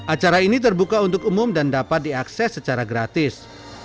acara ini terbuka untuk umum dan dapat diakses secara gratis